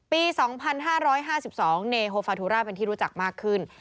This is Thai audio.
ปี๒๕๕๒เนโฮฟาทุราเป็นที่รู้จักมากขึ้น